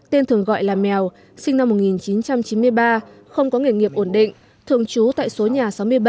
tên thường gọi là mèo sinh năm một nghìn chín trăm chín mươi ba không có nghề nghiệp ổn định thường trú tại số nhà sáu mươi bảy